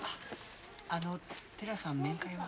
あの寺さん面会は？